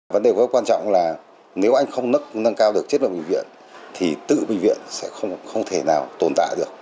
vấn đề rất quan trọng là nếu anh không nâng cao được chất bệnh viện thì tự bệnh viện sẽ không thể nào tồn tại được